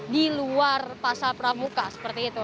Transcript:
di luar pasar pramuka seperti itu